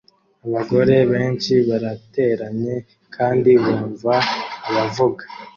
Abagore benshi barateranye kandi bumva abavuga